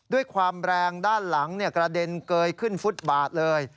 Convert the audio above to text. ด้วยความแรงด้านหลังกระเด็นเกยขึ้นฟุตบาทเลย